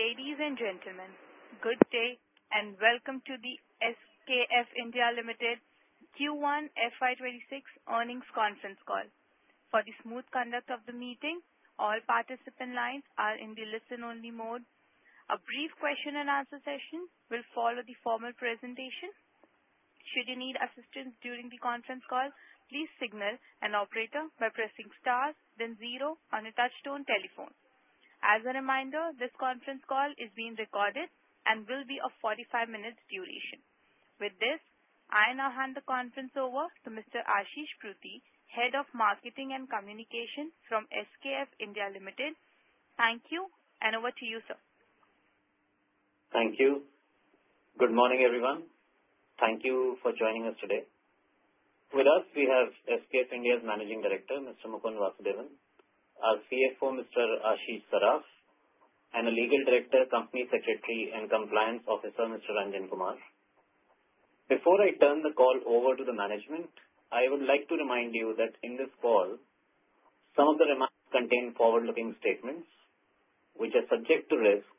Ladies and gentlemen, good day and welcome to the SKF India Limited Q1 FY2026 earnings conference call. For the smooth conduct of the meeting, all participant lines are in the listen-only mode. A brief question-and-answer session will follow the formal presentation. Should you need assistance during the conference call, please signal an operator by pressing star, then zero on a touch-tone telephone. As a reminder, this conference call is being recorded and will be of 45 minutes' duration. With this, I now hand the conference over to Mr. Ashish Pruthi, Head of Marketing and Communication from SKF India Limited. Thank you, and over to you, sir. Thank you. Good morning, everyone. Thank you for joining us today. With us, we have SKF India's Managing Director, Mr. Mukund Vasudevan, our CFO, Mr. Ashish Saraf, and a Legal Director, Company Secretary, and Compliance Officer, Mr. Ranjan Kumar. Before I turn the call over to the management, I would like to remind you that in this call, some of the remarks contain forward-looking statements which are subject to risk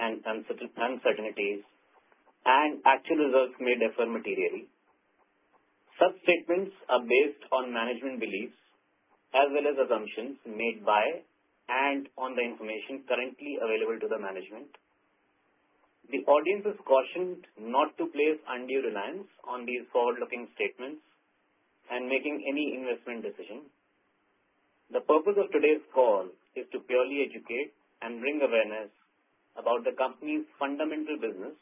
and uncertainties, and actual results may differ materially. Such statements are based on management beliefs as well as assumptions made by and on the information currently available to the management. The audience is cautioned not to place undue reliance on these forward-looking statements and make any investment decision. The purpose of today's call is to purely educate and bring awareness about the company's fundamental business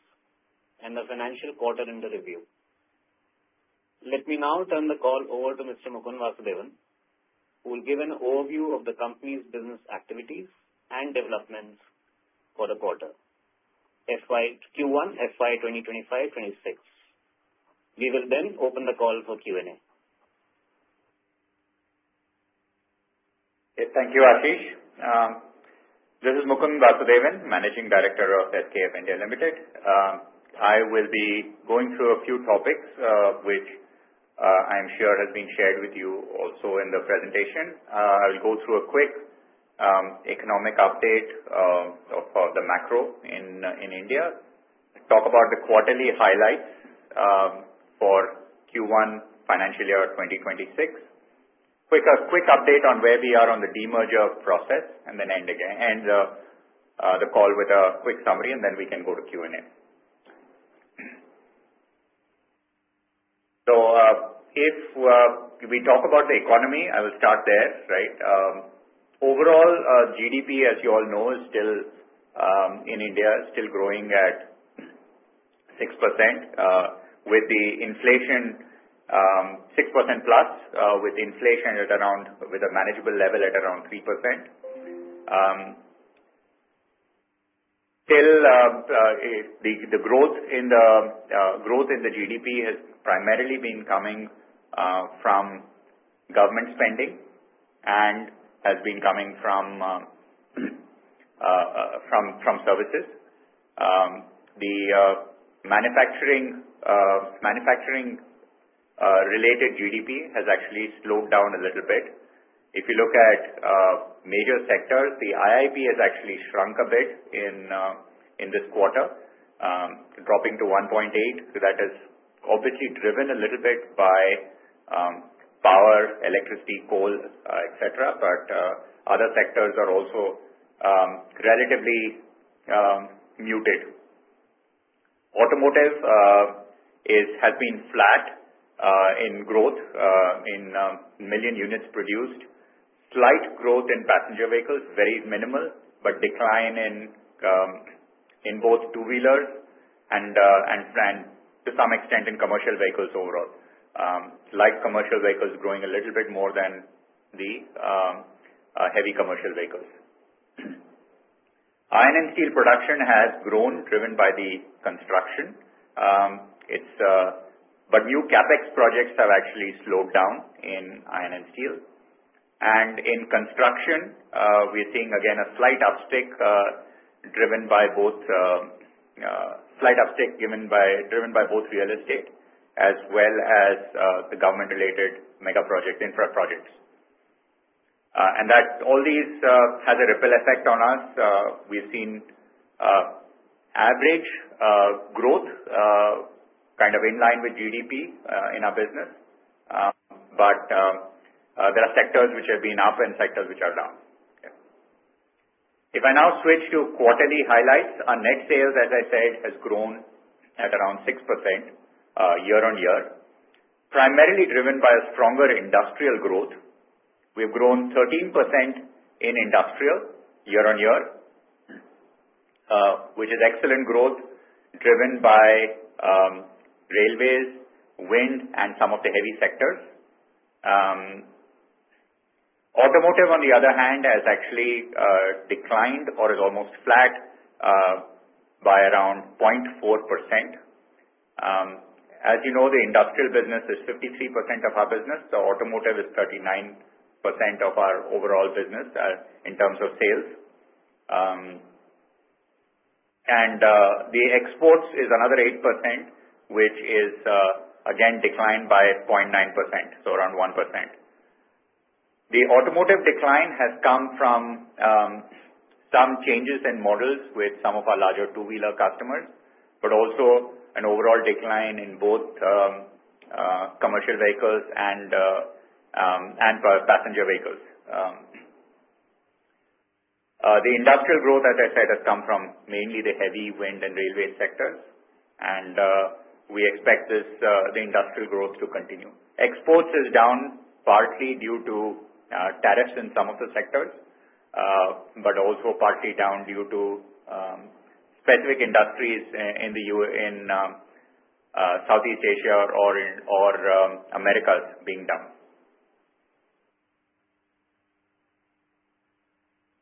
and the financial quarter-end review. Let me now turn the call over to Mr. Mukund Vasudevan, who will give an overview of the company's business activities and developments for the quarter, Q1 FY 2025-2026. We will then open the call for Q&A. Thank you, Ashish. This is Mukund Vasudevan, Managing Director of SKF India Limited. I will be going through a few topics which I'm sure have been shared with you also in the presentation. I will go through a quick economic update of the macro in India, talk about the quarterly highlights for Q1 financial year 2026, a quick update on where we are on the demerger process, and then end the call with a quick summary, and then we can go to Q&A. So if we talk about the economy, I will start there. Overall, GDP, as you all know, in India is still growing at 6%, with the inflation 6% plus, with inflation at around a manageable level at around 3%. The growth in the GDP has primarily been coming from government spending and has been coming from services. The manufacturing-related GDP has actually slowed down a little bit. If you look at major sectors, the IIP has actually shrunk a bit in this quarter, dropping to 1.8%. That has obviously driven a little bit by power, electricity, coal, etc., but other sectors are also relatively muted. Automotive has been flat in growth, in million units produced. Slight growth in passenger vehicles, very minimal, but decline in both two-wheelers and to some extent in commercial vehicles overall. Light commercial vehicles growing a little bit more than the heavy commercial vehicles. Iron and steel production has grown, driven by the construction, but new CapEx projects have actually slowed down in iron and steel. In construction, we're seeing again a slight uptick, driven by both real estate as well as the government-related mega projects, infra projects. And all these have a ripple effect on us. We've seen average growth kind of in line with GDP in our business, but there are sectors which have been up and sectors which are down. If I now switch to quarterly highlights, our net sales, as I said, has grown at around 6% year on year, primarily driven by a stronger Industrial growth. We have grown 13% in Industrial year on year, which is excellent growth driven by railways, wind, and some of the heavy sectors. Automotive, on the other hand, has actually declined or is almost flat by around 0.4%. As you know, the Industrial business is 53% of our business. The Automotive is 39% of our overall business in terms of sales. And the exports is another 8%, which is again declined by 0.9%, so around 1%. The Automotive decline has come from some changes in models with some of our larger two-wheeler customers, but also an overall decline in both commercial vehicles and passenger vehicles. The Industrial growth, as I said, has come from mainly the heavy, wind, and railway sectors, and we expect the Industrial growth to continue. Exports is down partly due to tariffs in some of the sectors, but also partly down due to specific industries in Southeast Asia or Americas being down.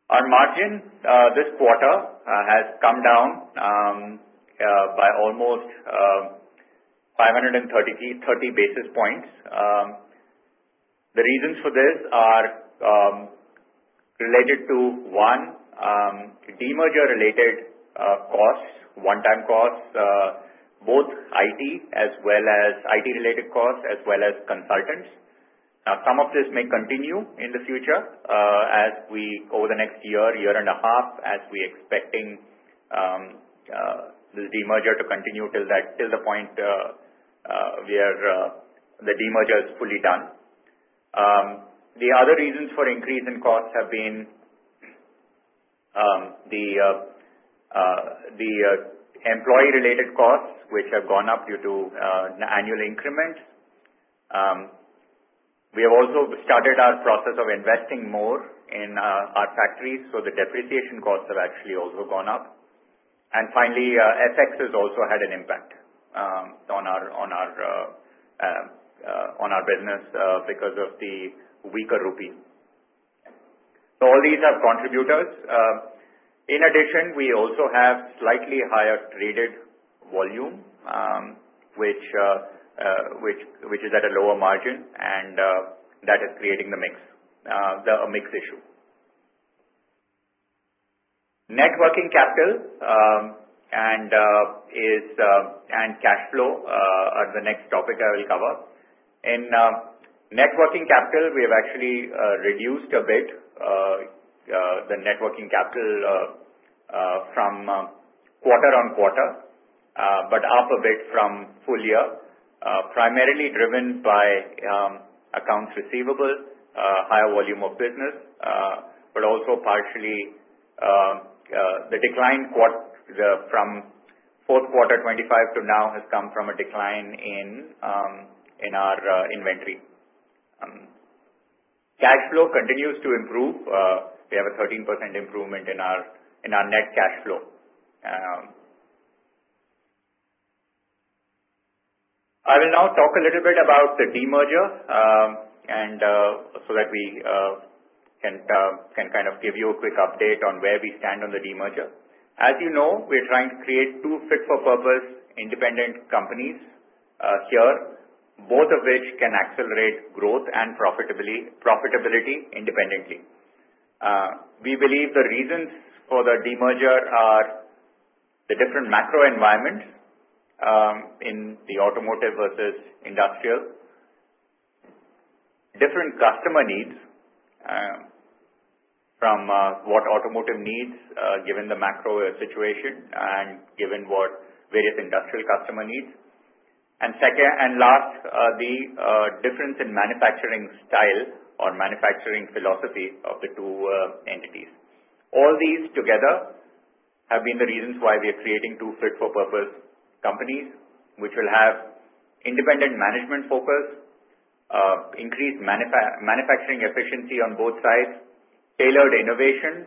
Our margin this quarter has come down by almost 530 basis points. The reasons for this are related to, one, demerger-related costs, one-time costs, both IT as well as IT-related costs as well as consultants. Now, some of this may continue in the future as we over the next year, year and a half, as we're expecting the demerger to continue till the point where the demerger is fully done. The other reasons for increase in costs have been the employee-related costs, which have gone up due to annual increments. We have also started our process of investing more in our factories, so the depreciation costs have actually also gone up. And finally, FX has also had an impact on our business because of the weaker rupee. So all these are contributors. In addition, we also have slightly higher traded volume, which is at a lower margin, and that is creating the mix issue. Net working capital and cash flow are the next topic I will cover. In net working capital, we have actually reduced a bit the net working capital from quarter on quarter, but up a bit from full year, primarily driven by accounts receivable, higher volume of business, but also partially the decline from fourth quarter 2025 to now has come from a decline in our inventory. Cash flow continues to improve. We have a 13% improvement in our net cash flow. I will now talk a little bit about the demerger so that we can kind of give you a quick update on where we stand on the demerger. As you know, we're trying to create two fit-for-purpose independent companies here, both of which can accelerate growth and profitability independently. We believe the reasons for the demerger are the different macro environments in the Automotive versus Industrial, different customer needs from what Automotive needs given the macro situation and given what various Industrial customer needs, and last, the difference in manufacturing style or manufacturing philosophy of the two entities. All these together have been the reasons why we are creating two fit-for-purpose companies, which will have independent management focus, increased manufacturing efficiency on both sides, tailored innovation,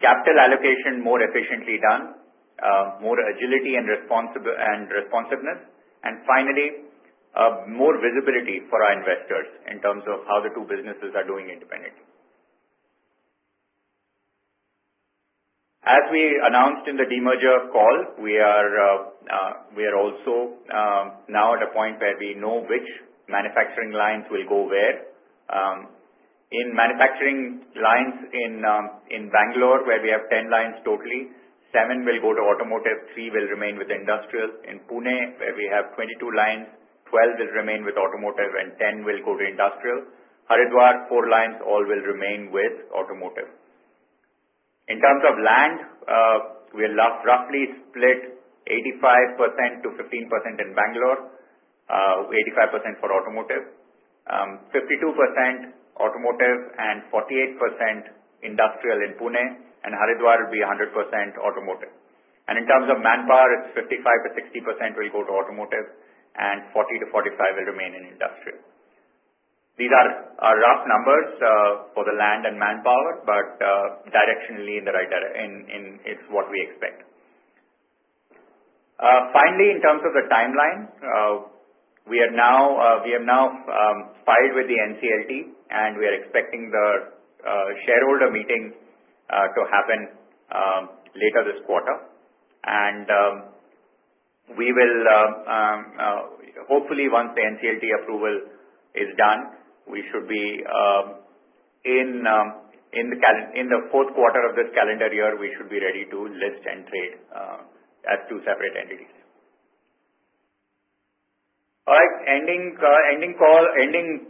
capital allocation more efficiently done, more agility and responsiveness, and finally, more visibility for our investors in terms of how the two businesses are doing independently. As we announced in the demerger call, we are also now at a point where we know which manufacturing lines will go where. In manufacturing lines in Bangalore, where we have 10 lines totally, seven will go to Automotive, three will remain with Industrial. In Pune, where we have 22 lines, 12 will remain with Automotive, and 10 will go to Industrial. Haridwar, four lines all will remain with Automotive. In terms of land, we'll roughly split 85%-15% in Bangalore, 85% for Automotive, 52% Automotive, and 48% Industrial in Pune, and Haridwar will be 100% Automotive. In terms of manpower, it's 55%-60% will go to Automotive, and 40%-45% will remain in Industrial. These are rough numbers for the land and manpower, but directionally, it's what we expect. Finally, in terms of the timeline, we have now filed with the NCLT, and we are expecting the shareholder meeting to happen later this quarter. We will hopefully, once the NCLT approval is done, we should be in the fourth quarter of this calendar year, we should be ready to list and trade as two separate entities. All right, ending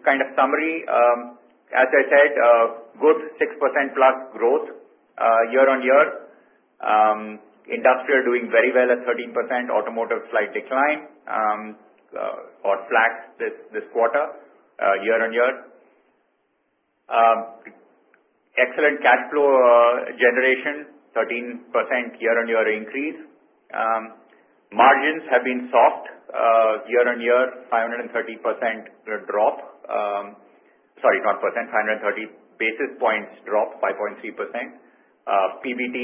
kind of summary. As I said, good 6% plus growth year on year. Industrial doing very well at 13%, Automotive slight decline or flat this quarter year on year. Excellent cash flow generation, 13% year on year increase. Margins have been soft year on year, 530% drop. Sorry, not percent, 530 basis points drop, 5.3%. PBT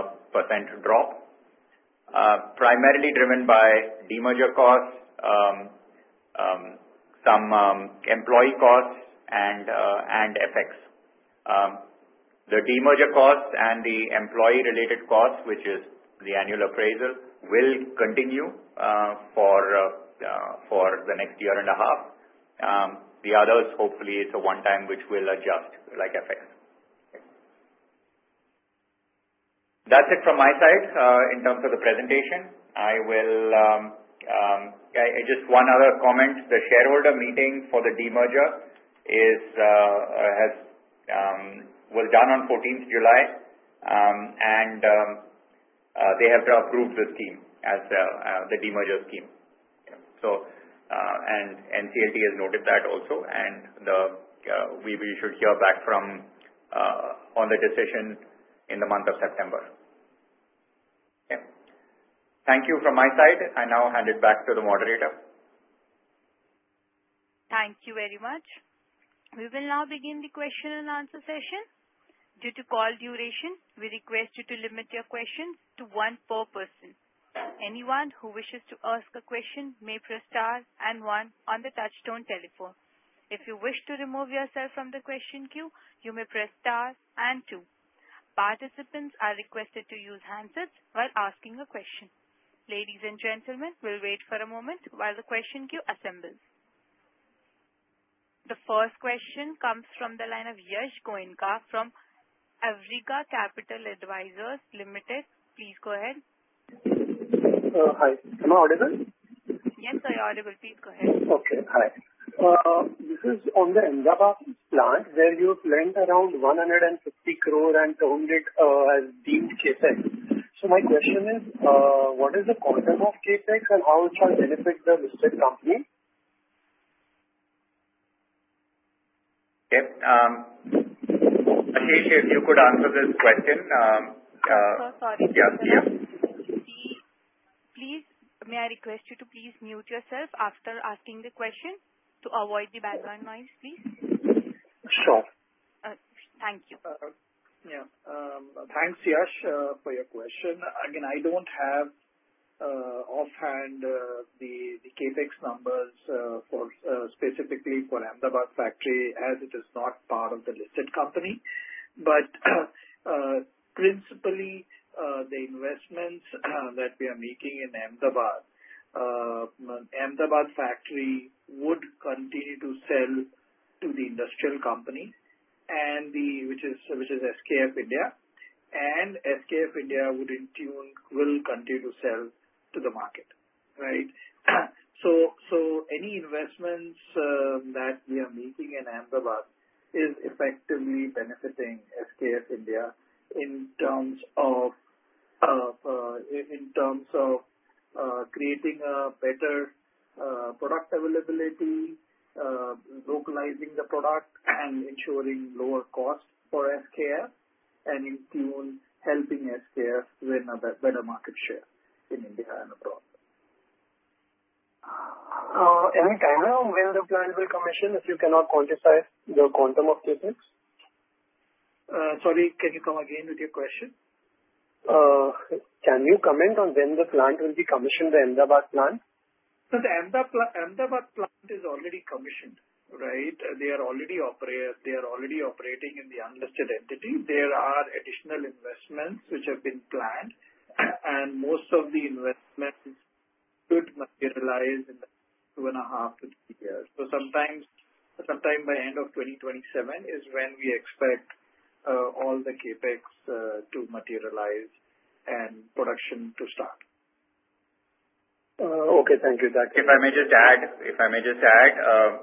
% drop, primarily driven by demerger costs, some employee costs, and FX. The demerger costs and the employee-related costs, which is the annual appraisal, will continue for the next year and a half. The others, hopefully, it's a one-time which will adjust like FX. That's it from my side in terms of the presentation. Just one other comment, the shareholder meeting for the demerger was done on 14th July, and they have approved the scheme as the demerger scheme, and NCLT has noted that also, and we should hear back on the decision in the month of September. Thank you from my side. I now hand it back to the moderator. Thank you very much. We will now begin the question and answer session. Due to call duration, we request you to limit your questions to one per person. Anyone who wishes to ask a question may press star and one on the touch-tone telephone. If you wish to remove yourself from the question queue, you may press star and two. Participants are requested to use handsets while asking a question. Ladies and gentlemen, we'll wait for a moment while the question queue assembles. The first question comes from the line of Yash Goenka from Awriga Capital Advisors LLP. Please go ahead. Hi, am I audible? Yes, you're audible. Please go ahead. Okay, hi. This is on the Ahmedabad plant where you've lent around INR 150 crore and 200 as deemed CapEx. So my question is, what is the content of CapEx, and how it shall benefit the listed company? Yep. Actually, if you could answer this question. I'm so sorry. Yeah. Please, may I request you to please mute yourself after asking the question to avoid the background noise, please? Sure. Thank you. Yeah. Thanks, Yash, for your question. Again, I don't have offhand the CapEx numbers specifically for Ahmedabad factory as it is not part of the listed company. But principally, the investments that we are making in Ahmedabad factory would continue to sell to the Industrial company, which is SKF India. And SKF India will continue to sell to the market, right? So any investments that we are making in Ahmedabad is effectively benefiting SKF India in terms of creating a better product availability, localizing the product, and ensuring lower cost for SKF, and in turn helping SKF win a better market share in India and abroad. Any timeline on when the plant will commission if you cannot quantify the quantum of CapEx. Sorry, can you come again with your question? Can you comment on when the plant will be commissioned, the Ahmedabad plant? The Ahmedabad plant is already commissioned, right? They are already operating in the unlisted entity. There are additional investments which have been planned, and most of the investments could materialize in the next two and a half to three years. Sometime by end of 2027 is when we expect all the CapEx to materialize and production to start. Okay, thank you. If I may just add,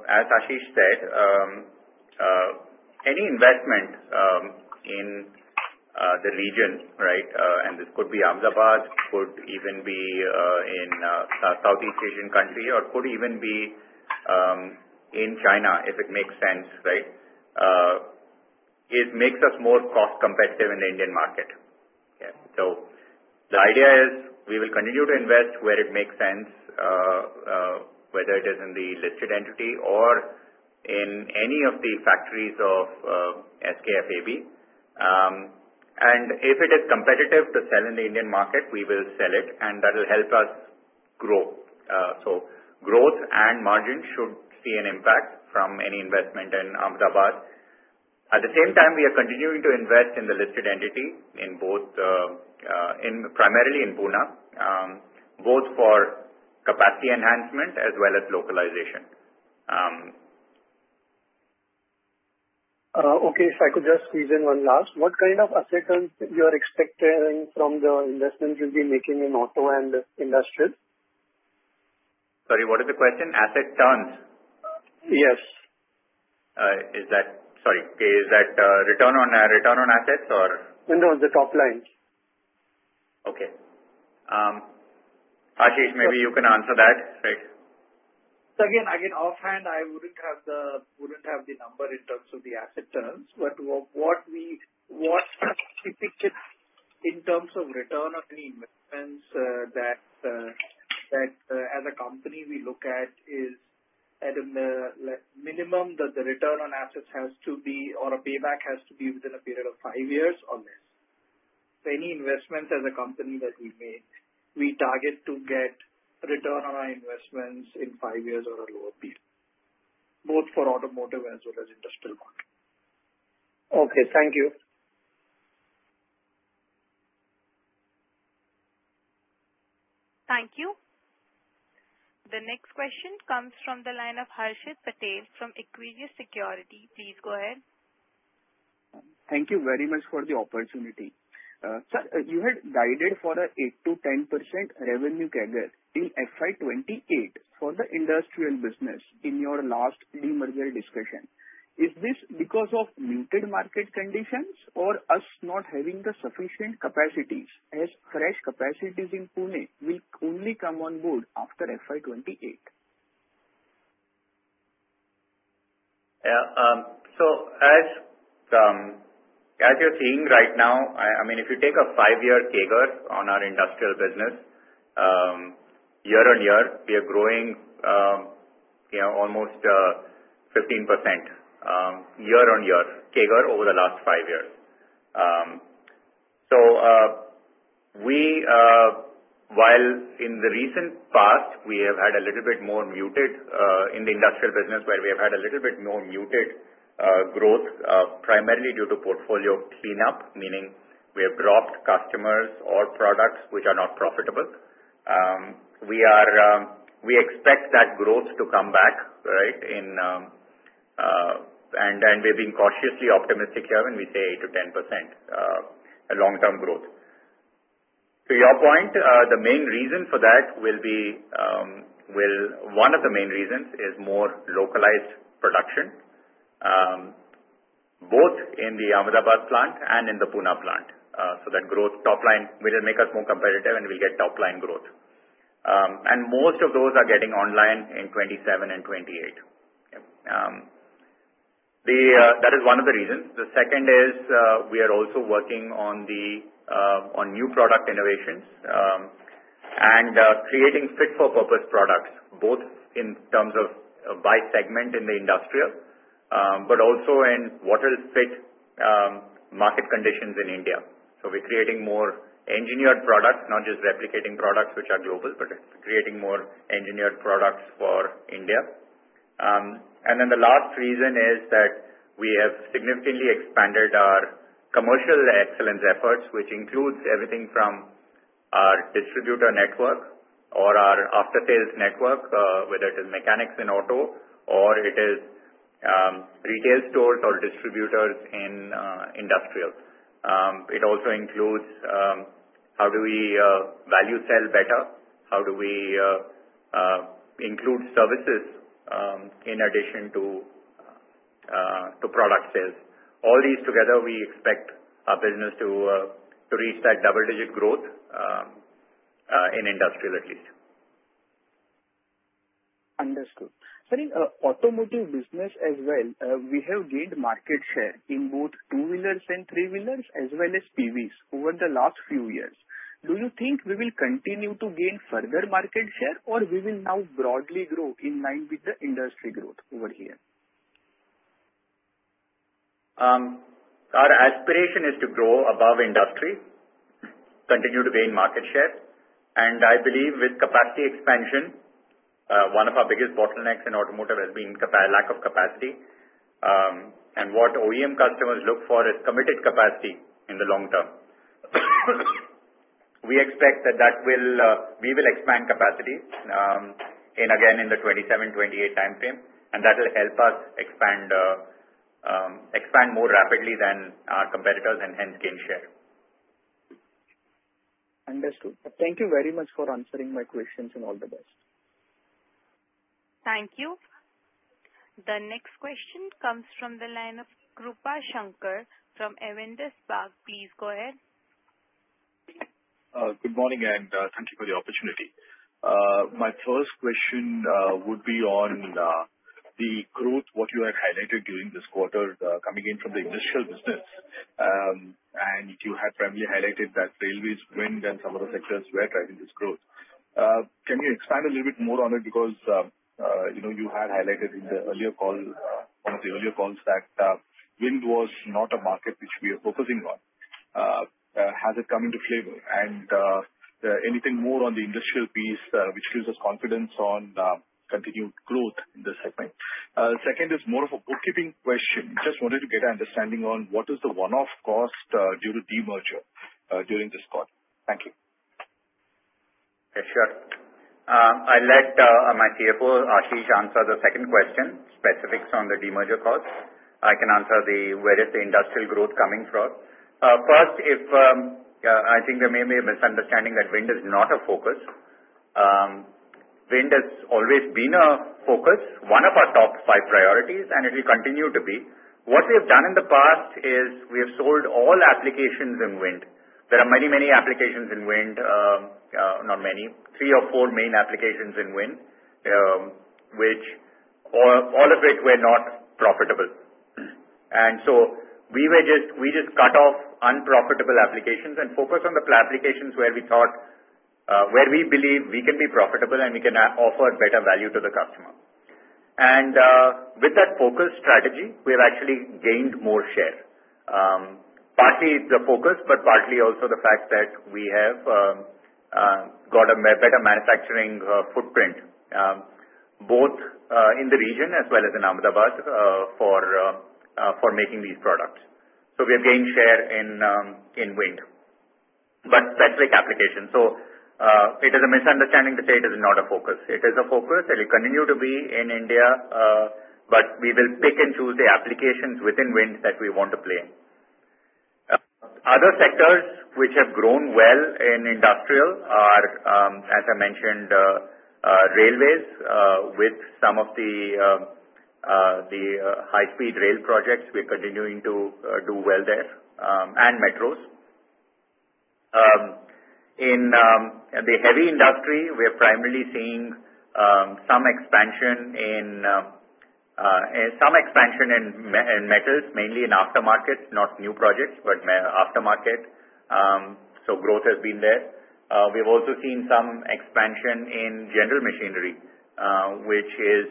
as Ashish said, any investment in the region, right? And this could be Ahmedabad, could even be in Southeast Asian country, or could even be in China, if it makes sense, right? It makes us more cost competitive in the Indian market. The idea is we will continue to invest where it makes sense, whether it is in the listed entity or in any of the factories of SKF AB. If it is competitive to sell in the Indian market, we will sell it, and that will help us grow. Growth and margin should see an impact from any investment in Ahmedabad. At the same time, we are continuing to invest in the listed entity primarily in Pune, both for capacity enhancement as well as localization. Okay, if I could just squeeze in one last, what kind of asset turns you are expecting from the investment you'll be making in auto and Industrial? Sorry, what is the question? Asset turns? Yes. Sorry, is that return on assets or? No, the top lines. Okay. Ashish, maybe you can answer that, right? Again, offhand, I wouldn't have the number in terms of the asset turns, but what we think in terms of return on the investments that as a company we look at is at a minimum that the return on assets has to be or a payback has to be within a period of five years or less. Any investments as a company that we make, we target to get return on our investments in five years or a lower period, both for Automotive as well as Industrial market. Okay, thank you. Thank you. The next question comes from the line of Harshit Patel from Equirus Securities. Please go ahead. Thank you very much for the opportunity. Sir, you had guided for an 8%-10% revenue target in FY 2028 for the Industrial business in your last demerger discussion. Is this because of muted market conditions or us not having the sufficient capacities as fresh capacities in Pune will only come on board after FY 2028? Yeah. So as you're seeing right now, I mean, if you take a five-year CAGR on our Industrial business, year on year, we are growing almost 15% year on year CAGR over the last five years. So while in the recent past, we have had a little bit more muted in the Industrial business where we have had a little bit more muted growth, primarily due to portfolio cleanup, meaning we have dropped customers or products which are not profitable. We expect that growth to come back, right? And we've been cautiously optimistic here when we say 8%-10% long-term growth. To your point, the main reason for that will be one of the main reasons is more localized production, both in the Ahmedabad plant and in the Pune plant. So that growth top line will make us more competitive, and we'll get top line growth. Most of those are getting online in 2027 and 2028. That is one of the reasons. The second is we are also working on new product innovations and creating fit-for-purpose products, both in terms of by segment in the Industrial, but also in what will fit market conditions in India. We're creating more engineered products, not just replicating products which are global, but creating more engineered products for India. Then the last reason is that we have significantly expanded our commercial excellence efforts, which includes everything from our distributor network or our after-sales network, whether it is mechanics in auto or it is retail stores or distributors in Industrial. It also includes how do we value sell better, how do we include services in addition to product sales. All these together, we expect our business to reach that double-digit growth in Industrial at least. Understood. Sir, in Automotive business as well, we have gained market share in both two-wheelers and three-wheelers as well as PVs over the last few years. Do you think we will continue to gain further market share, or will we now broadly grow in line with the industry growth over here? Our aspiration is to grow above industry, continue to gain market share. And I believe with capacity expansion, one of our biggest bottlenecks in Automotive has been lack of capacity. And what OEM customers look for is committed capacity in the long term. We expect that we will expand capacity again in the 2027, 2028 timeframe, and that will help us expand more rapidly than our competitors and hence gain share. Understood. Thank you very much for answering my questions and all the best. Thank you. The next question comes from the line of Krupashankar from Avendus Spark. Please go ahead. Good morning, and thank you for the opportunity. My first question would be on the growth, what you have highlighted during this quarter coming in from the Industrial business. And you have primarily highlighted that railways, wind, and some other sectors were driving this growth. Can you expand a little bit more on it? Because you had highlighted in the earlier call, one of the earlier calls, that wind was not a market which we are focusing on. Has it come into favor? And anything more on the Industrial piece which gives us confidence on continued growth in this segment? Second is more of a bookkeeping question. Just wanted to get an understanding on what is the one-off cost due to demerger during this quarter. Thank you. Sure. I'll let my CFO, Ashish, answer the second question, specifics on the demerger cost. I can answer where is the Industrial growth coming from. First, I think there may be a misunderstanding that wind is not a focus. Wind has always been a focus, one of our top five priorities, and it will continue to be. What we have done in the past is we have sold all applications in wind. There are many, many applications in wind, not many, three or four main applications in wind, which all of which were not profitable. And so we just cut off unprofitable applications and focus on the applications where we thought, where we believe we can be profitable and we can offer better value to the customer. With that focus strategy, we have actually gained more share, partly the focus, but partly also the fact that we have got a better manufacturing footprint both in the region as well as in Ahmedabad for making these products. So we have gained share in wind, but specific applications. So it is a misunderstanding to say it is not a focus. It is a focus, and it will continue to be in India, but we will pick and choose the applications within wind that we want to play in. Other sectors which have grown well in Industrial are, as I mentioned, railways with some of the high-speed rail projects. We are continuing to do well there and metros. In the heavy industry, we are primarily seeing some expansion in metals, mainly in aftermarket, not new projects, but aftermarket. So growth has been there. We have also seen some expansion in general machinery, which is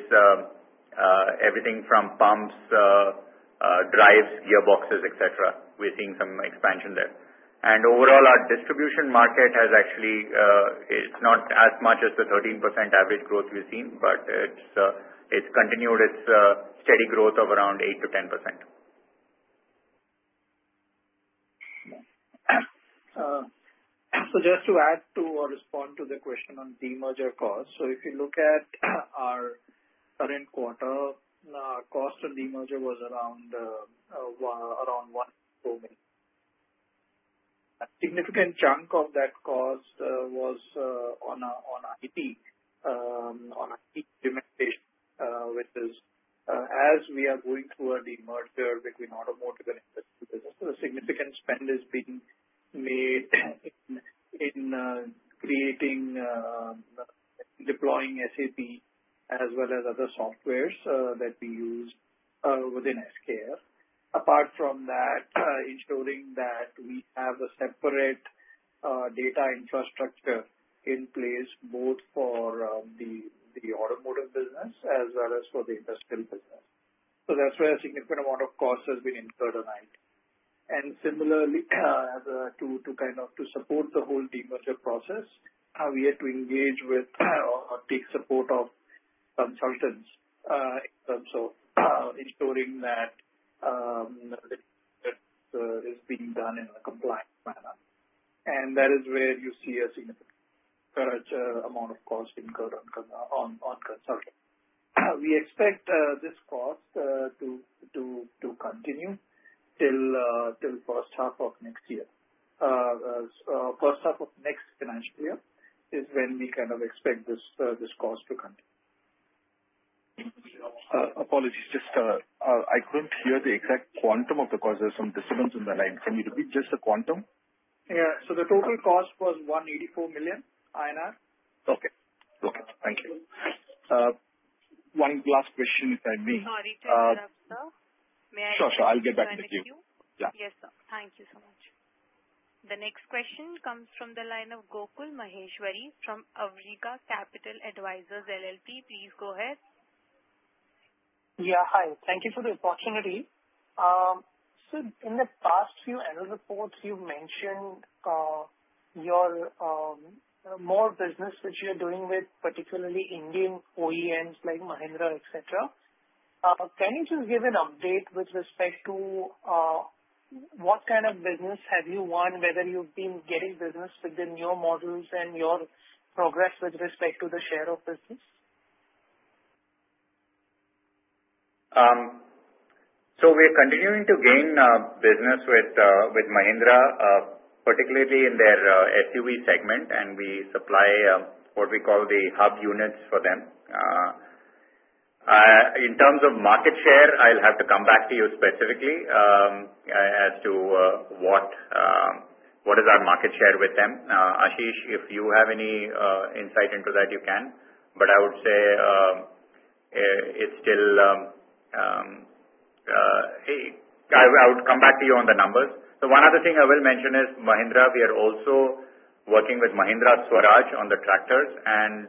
everything from pumps, drives, gearboxes, etc. We're seeing some expansion there. And overall, our distribution market has actually, it's not as much as the 13% average growth we've seen, but it's continued its steady growth of around 8%-10%. So just to add to or respond to the question on demerger cost. If you look at our current quarter, our cost of demerger was around 1-2 million. A significant chunk of that cost was on IT implementation, which is as we are going through a demerger between Automotive and Industrial business, a significant spend is being made in deploying SAP as well as other softwares that we use within SKF. Apart from that, ensuring that we have a separate data infrastructure in place both for the Automotive business as well as for the Industrial business. So that's where a significant amount of cost has been incurred on IT. And similarly, to kind of support the whole demerger process, we had to engage with or take support of consultants in terms of ensuring that it is being done in a compliant manner. That is where you see a significant amount of cost incurred on consultants. We expect this cost to continue till the first half of next year. First half of next financial year is when we kind of expect this cost to continue. Apologies, just I couldn't hear the exact quantum of the cost. There's some dissonance in the line. Can you repeat just the quantum? Yeah. So the total cost was 184 million INR. Okay. Okay. Thank you. One last question, if I may. Sorry to interrupt, sir. May I? Sure, sure. I'll get back with you. Thank you. Yes, sir. Thank you so much. The next question comes from the line of Gokul Maheshwari from Awriga Capital Advisors LLP. Please go ahead. Yeah. Hi. Thank you for the opportunity. So in the past few analyst reports, you've mentioned your more business which you're doing with particularly Indian OEMs like Mahindra, etc. Can you just give an update with respect to what kind of business have you won, whether you've been getting business within your models and your progress with respect to the share of business? We are continuing to gain business with Mahindra, particularly in their SUV segment, and we supply what we call the hub units for them. In terms of market share, I'll have to come back to you specifically as to what is our market share with them. Ashish, if you have any insight into that, you can. But I would say it's still I would come back to you on the numbers. One other thing I will mention is Mahindra. We are also working with Mahindra Swaraj on the tractors, and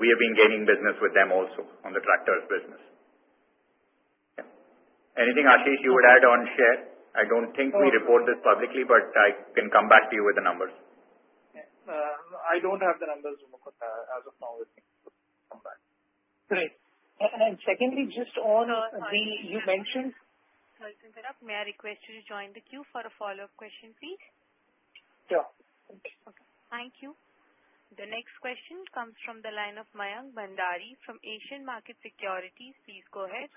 we have been gaining business with them also on the tractors business. Anything, Ashish, you would add on share? I don't think we report this publicly, but I can come back to you with the numbers. I don't have the numbers as of now. Great. And then secondly, just on the you mentioned. Persons are up. May I request you to join the queue for a follow-up question, please? Yeah. Okay. Thank you. The next question comes from the line of Mayank Bhandari from Asian Market Securities. Please go ahead.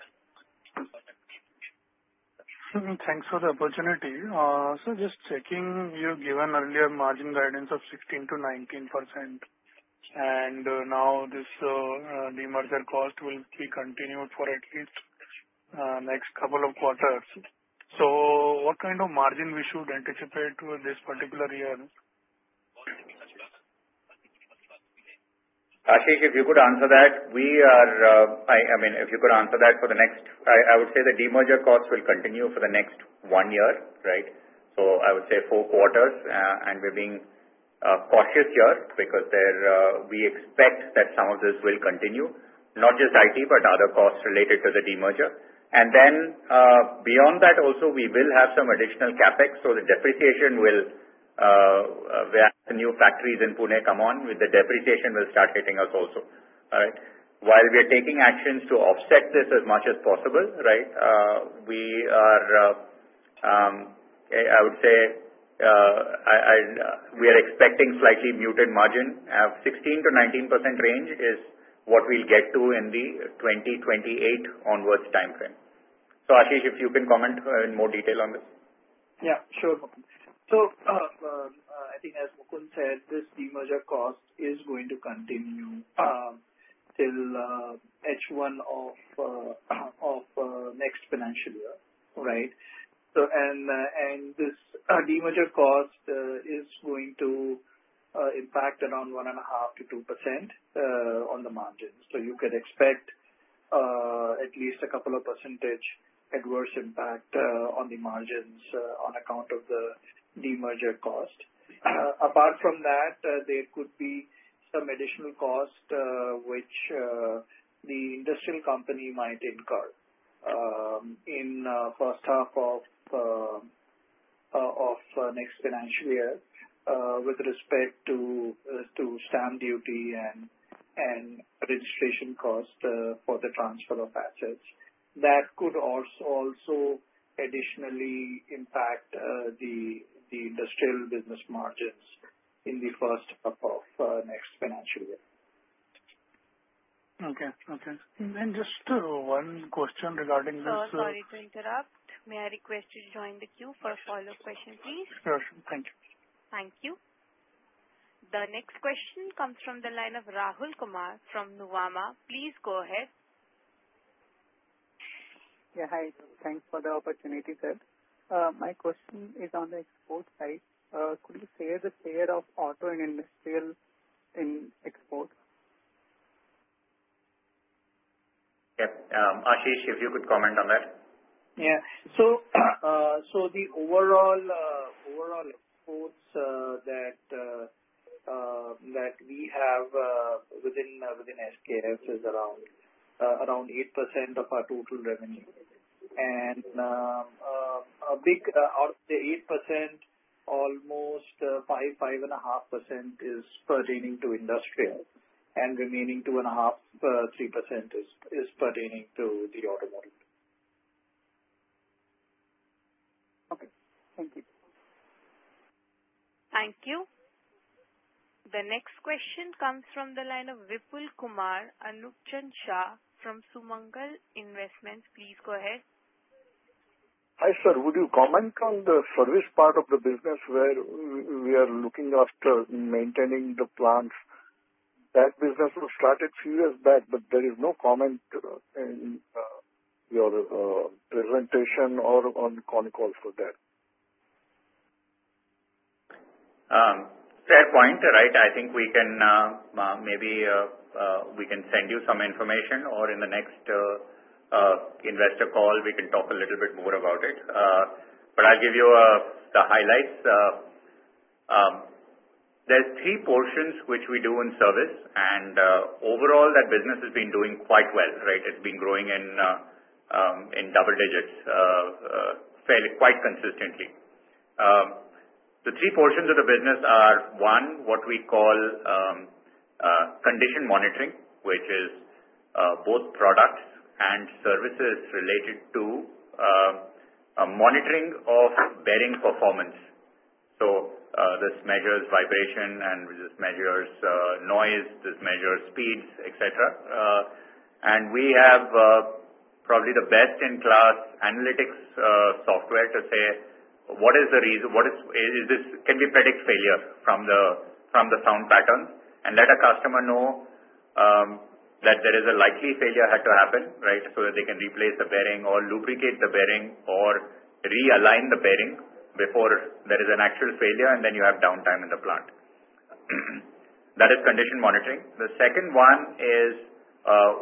Thanks for the opportunity. So just checking, you've given earlier margin guidance of 16%-19%, and now this demerger cost will be continued for at least the next couple of quarters. So what kind of margin we should anticipate for this particular year? Ashish, if you could answer that. I mean, if you could answer that for the next. I would say the demerger cost will continue for the next one year, right? So I would say four quarters, and we're being cautious here because we expect that some of this will continue, not just IT, but other costs related to the demerger. And then beyond that, also, we will have some additional CapEx. So the depreciation will, when new factories in Pune come on, the depreciation will start hitting us also, right? While we are taking actions to offset this as much as possible, right, we are. I would say we are expecting slightly muted margin. 16%-19% range is what we'll get to in the 2028 onwards timeframe. So Ashish, if you can comment in more detail on this. Yeah. Sure. So I think, as Gokul said, this demerger cost is going to continue till H1 of next financial year, right? And this demerger cost is going to impact around 1.5%-2% on the margins. So you could expect at least a couple of percentage adverse impact on the margins on account of the demerger cost. Apart from that, there could be some additional cost which the Industrial company might incur in the first half of next financial year with respect to stamp duty and registration cost for the transfer of assets. That could also additionally impact the Industrial business margins in the first half of next financial year. Okay. Okay, and just one question regarding this. Sorry to interrupt. May I request you to join the queue for a follow-up question, please? Sure. Thank you. Thank you. The next question comes from the line of Rahul Kumar from Nuvama. Please go ahead. Yeah. Hi. Thanks for the opportunity, sir. My question is on the export side. Could you share the share of auto and Industrial in export? Yeah. Ashish, if you could comment on that. Yeah. So the overall exports that we have within SKF is around 8% of our total revenue. And of the 8%, almost 5%-5.5% is pertaining to Industrial, and remaining 2.5%-3% is pertaining to the Automotive. Okay. Thank you. Thank you. The next question comes from the line of Vipulkumar, Anukchan Shah from Sumangal Investments. Please go ahead. Hi, sir. Would you comment on the service part of the business where we are looking after maintaining the plants? That business was started a few years back, but there is no comment in your presentation or on the con call for that. Fair point, right? I think we can maybe send you some information, or in the next investor call, we can talk a little bit more about it. But I'll give you the highlights. There's three portions which we do in service, and overall, that business has been doing quite well, right? It's been growing in double digits quite consistently. The three portions of the business are, one, what we call condition monitoring, which is both products and services related to monitoring of bearing performance. So this measures vibration, and this measures noise, this measures speeds, etc. And we have probably the best-in-class analytics software to say, "What is the reason? “Can we predict failure from the sound pattern?” and let a customer know that there is a likely failure had to happen, right, so that they can replace the bearing or lubricate the bearing or realign the bearing before there is an actual failure, and then you have downtime in the plant. That is condition monitoring. The second one is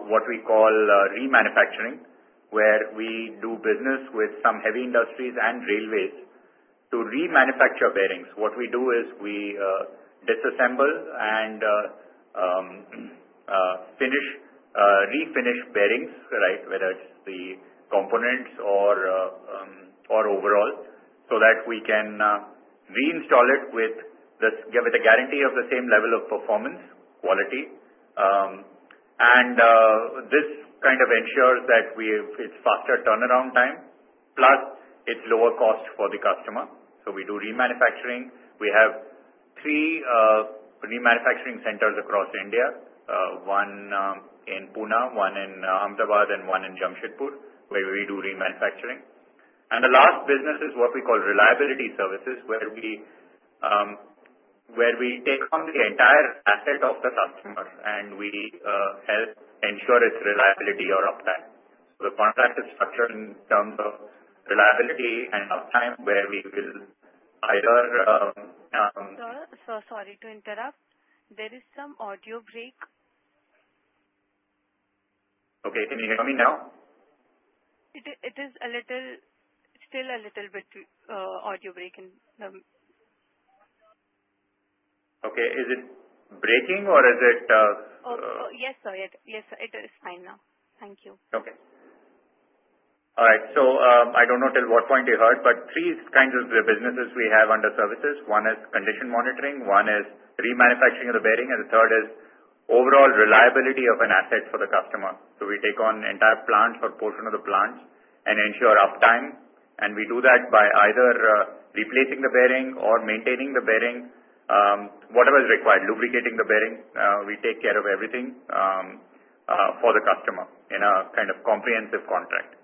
what we call remanufacturing, where we do business with some heavy industries and railways to remanufacture bearings. What we do is we disassemble and refinish bearings, right, whether it's the components or overall, so that we can reinstall it with a guarantee of the same level of performance quality, and this kind of ensures that it's faster turnaround time, plus it's lower cost for the customer, so we do remanufacturing. We have three remanufacturing centers across India, one in Pune, one in Ahmedabad, and one in Jamshedpur, where we do remanufacturing. And the last business is what we call reliability services, where we take on the entire asset of the customer and we help ensure its reliability or uptime. So the contract is structured in terms of reliability and uptime, where we will either. Sir? Sorry to interrupt. There is some audio break. Okay. Can you hear me now? It is still a little bit audio breaking. Okay. Is it breaking, or is it? Oh, yes, sir. Yes, sir. It is fine now. Thank you. Okay. All right. So I don't know till what point you heard, but three kinds of businesses we have under services. One is condition monitoring, one is remanufacturing of the bearing, and the third is overall reliability of an asset for the customer. So we take on the entire plant or portion of the plants and ensure uptime. And we do that by either replacing the bearing or maintaining the bearing, whatever is required, lubricating the bearing. We take care of everything for the customer in a kind of comprehensive contract.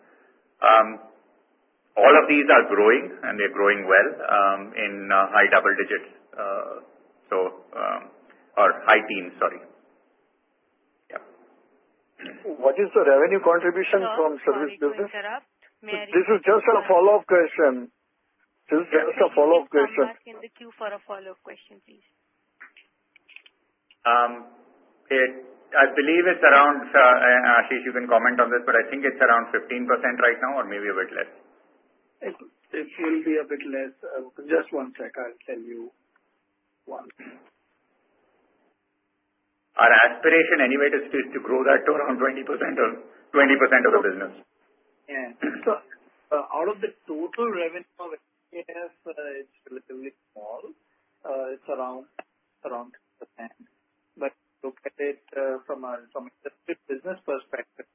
All of these are growing, and they're growing well in high double digits, or high teens, sorry. Yeah. What is the revenue contribution from service business? Sorry to interrupt. This is just a follow-up question. Sir, please come back in the queue for a follow-up question, please. I believe it's around, Ashish, you can comment on this, but I think it's around 15% right now or maybe a bit less. It will be a bit less. Just one sec. I'll tell you one. Our aspiration anyway is to grow that to around 20% of the business. Yeah. So out of the total revenue of SKF, it's relatively small. It's around 10%. But look at it from a business perspective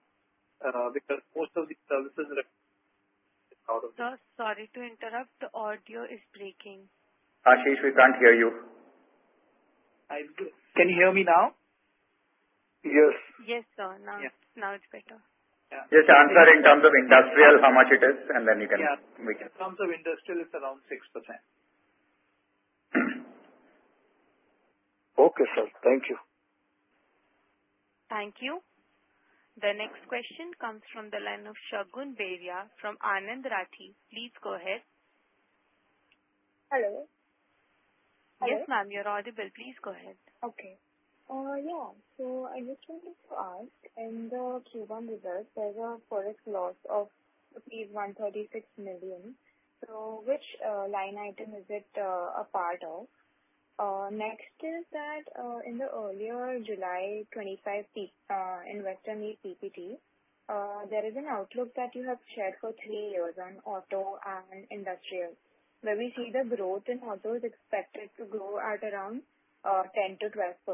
because most of the services are out of. Sir, sorry to interrupt. The audio is breaking. Ashish, we can't hear you. Can you hear me now? Yes. Yes, sir. Now it's better. Just answer in terms of Industrial, how much it is, and then we can. Yeah. In terms of Industrial, it's around 6%. Okay, sir. Thank you. Thank you. The next question comes from the line of Shagun Beria from Anand Rathi. Please go ahead. Hello. Yes, ma'am. You're audible. Please go ahead. Okay. Yeah. So I just wanted to ask, in the Q1 results, there's a Forex loss of rupees 136 million. So which line item is it a part of? Next, is that in the earlier July 25th investor PPT, there is an outlook that you have shared for three years on Auto and Industrial, where we see the growth in Auto is expected to grow at around 10%-12%,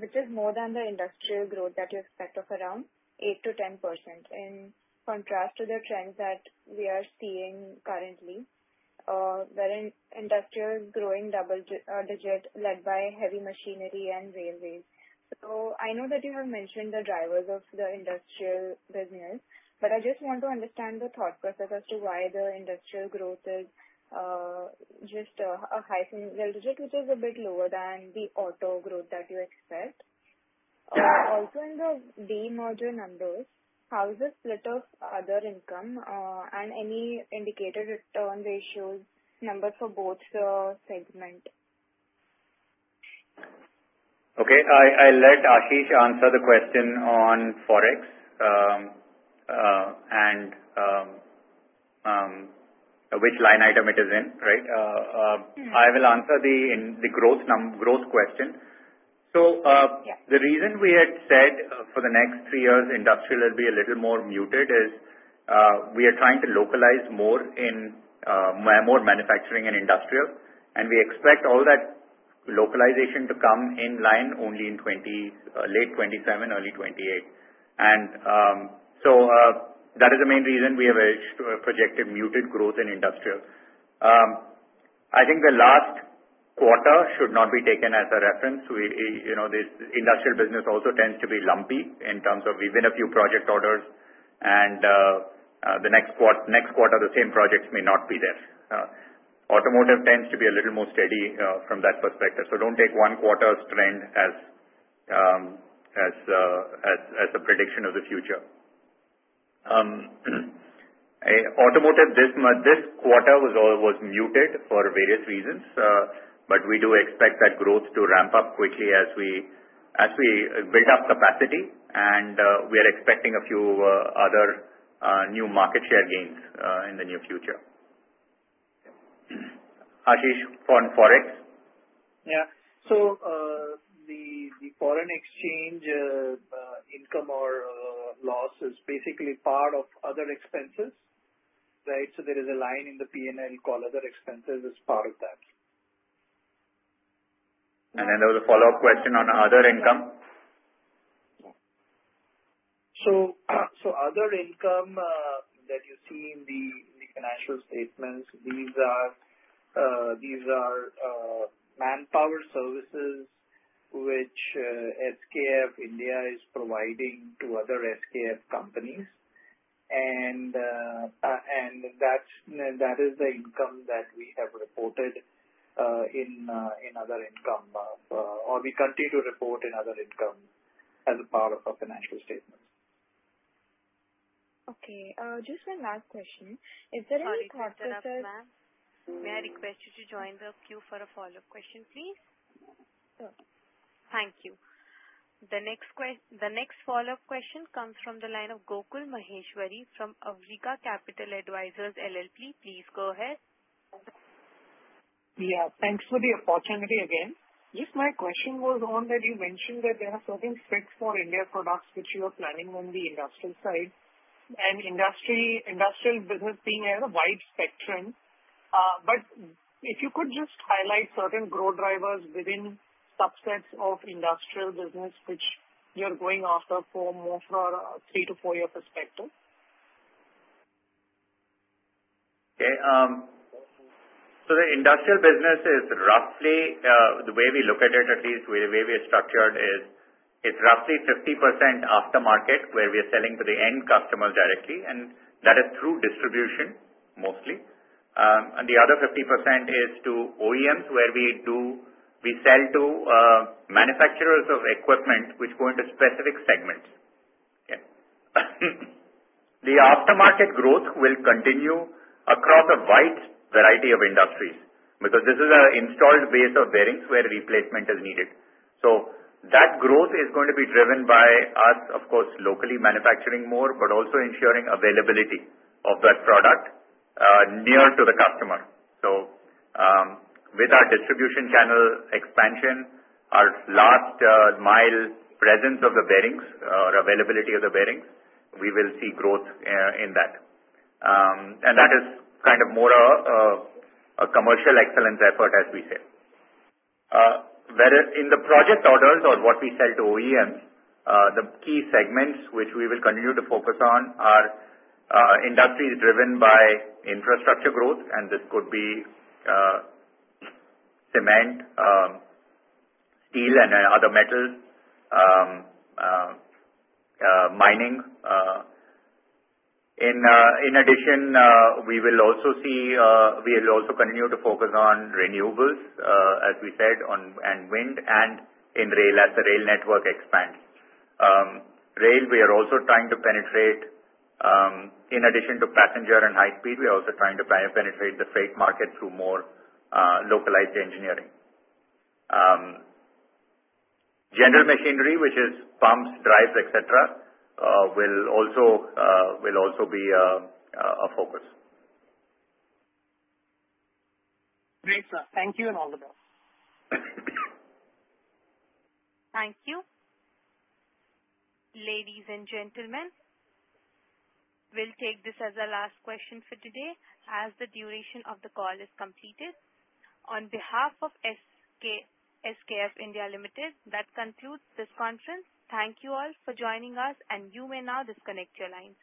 which is more than the Industrial growth that you expect of around 8%-10% in contrast to the trends that we are seeing currently, wherein Industrial is growing double-digit led by heavy machinery and railways. So I know that you have mentioned the drivers of the Industrial business, but I just want to understand the thought process as to why the Industrial growth is just a high single digit, which is a bit lower than the auto growth that you expect. Also, in the demerger numbers, how is the split of other income and any indicative return ratios numbers for both segments? Okay. I let Ashish answer the question on Forex and which line item it is in, right? I will answer the growth question. So the reason we had said for the next three years Industrial will be a little more muted is we are trying to localize more in more manufacturing and Industrial, and we expect all that localization to come in line only in late 2027, early 2028. And so that is the main reason we have projected muted growth in Industrial. I think the last quarter should not be taken as a reference. The Industrial business also tends to be lumpy in terms of we win a few project orders, and the next quarter, the same projects may not be there. Automotive tends to be a little more steady from that perspective. So don't take one quarter's trend as a prediction of the future. Automotive, this quarter was muted for various reasons, but we do expect that growth to ramp up quickly as we build up capacity, and we are expecting a few other new market share gains in the near future. Ashish, on Forex? Yeah. So the foreign exchange income or loss is basically part of other expenses, right? So there is a line in the P&L called other expenses as part of that. I know the follow-up question on other income. Other income that you see in the financial statements, these are manpower services which SKF India is providing to other SKF companies. That is the income that we have reported in other income, or we continue to report in other income as a part of our financial statements. Okay. Just one last question. Is there any thought process? May I request you to join the queue for a follow-up question, please? Thank you. The next follow-up question comes from the line of Gokul Maheshwari from Awriga Capital Advisors LLP. Please go ahead. Yeah. Thanks for the opportunity again. Just my question was on that you mentioned that there are certain specs for Indian products which you are planning on the Industrial side, and Industrial business being a wide spectrum. But if you could just highlight certain growth drivers within subsets of Industrial business which you're going after, more for a three- to four-year perspective? Okay, so the Industrial business is roughly the way we look at it, at least the way we are structured, is it's roughly 50% aftermarket, where we are selling to the end customers directly, and that is through distribution mostly, and the other 50% is to OEMs, where we sell to manufacturers of equipment which go into specific segments. Yeah. The aftermarket growth will continue across a wide variety of industries because this is an installed base of bearings where replacement is needed, so that growth is going to be driven by us, of course, locally manufacturing more, but also ensuring availability of that product near to the customer, so with our distribution channel expansion, our last-mile presence of the bearings or availability of the bearings, we will see growth in that, and that is kind of more a commercial excellence effort, as we say. In the project orders or what we sell to OEMs, the key segments which we will continue to focus on are industries driven by infrastructure growth, and this could be cement, steel, and other metals, mining. In addition, we will also continue to focus on renewables, as we said, and wind, and in rail as the rail network expands. Rail, we are also trying to penetrate. In addition to passenger and high-speed, we are also trying to penetrate the freight market through more localized engineering. General machinery, which is pumps, drives, etc., will also be a focus. Excellent. Thank you. Thank you. Ladies and gentlemen, we'll take this as a last question for today as the duration of the call is completed. On behalf of SKF India Limited, that concludes this conference. Thank you all for joining us, and you may now disconnect your lines.